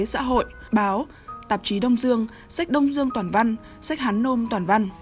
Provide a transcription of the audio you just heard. xã hội báo tạp chí đông dương sách đông dương toàn văn sách hán nôm toàn văn